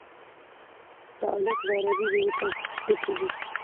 تعلیق د عربي ژبي ټکی دﺉ.